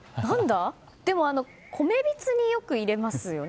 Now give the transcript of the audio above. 米びつによく入れますよね。